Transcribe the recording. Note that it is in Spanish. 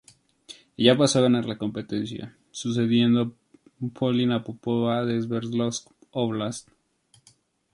Ella pasó a ganar la competencia, sucediendo a Polina Popova de Sverdlovsk Oblast.